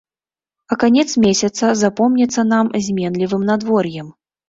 А канец месяца запомніцца нам зменлівым надвор'ем.